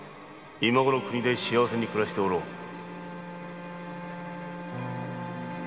今ごろは故郷で幸せに暮らしておろう